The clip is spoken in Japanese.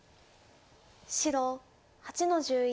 白８の十一。